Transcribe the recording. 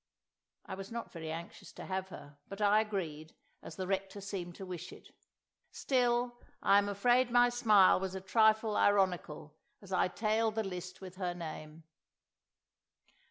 I was not very anxious to have her, but I agreed, as the Rector seemed to wish it. Still, I am afraid my smile was a trifle ironical, as I tailed the list with her name.